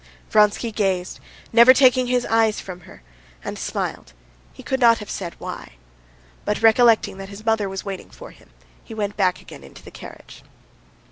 Vronsky gazed, never taking his eyes from her, and smiled, he could not have said why. But recollecting that his mother was waiting for him, he went back again into the carriage.